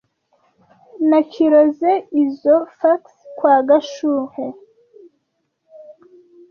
Nakirizoe izoi fax kwa Gashuhe.